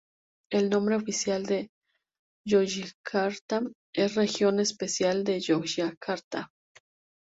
El nombre oficial de Yogyakarta es "Región Especial de Yogyakarta".